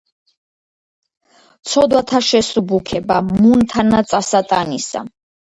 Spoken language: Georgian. ცოდვათა შესუბუქება, მუნ თანა წასატანისა.